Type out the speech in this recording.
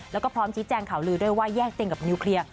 แล้วก็พร้อมชี้แจงข่าวลือด้วยว่าแยกเต็งกับนิวเคลียร์